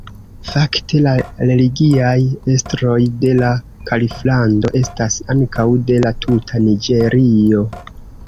Fakte la religiaj estroj de la kaliflando estas ankaŭ de la tuta Niĝerio.